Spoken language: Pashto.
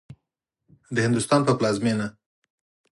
د هندوستان په پلازمېنه